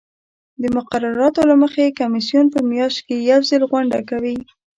د مقرراتو له مخې کمیسیون په میاشت کې یو ځل غونډه کوي.